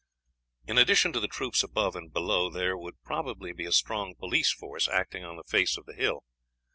In addition to the troops above and below, there would probably be a strong police force, acting on the face of the hill.